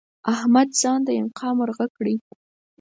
احمد ځان د انقا مرغه کړی؛